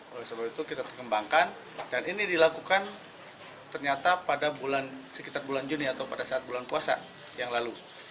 oleh sebab itu kita kembangkan dan ini dilakukan ternyata pada bulan sekitar bulan juni atau pada saat bulan puasa yang lalu